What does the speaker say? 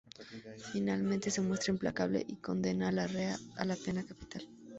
Finalmente se muestra implacable y condena a la rea a la pena capital.